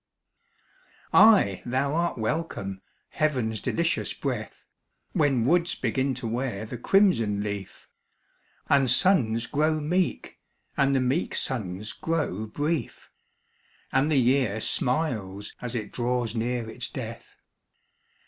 Ay, thou art welcome, heaven's delicious breath, When woods begin to wear the crimson leaf, And suns grow meek, and the meek suns grow brief, And the year smiles as it draws near its death.